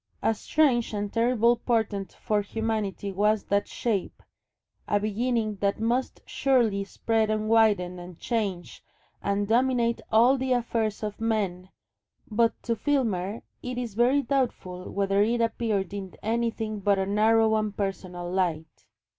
A strange and terrible portent for humanity was that shape, a beginning that must surely spread and widen and change and dominate all the affairs of men, but to Filmer it is very doubtful whether it appeared in anything but a narrow and personal light.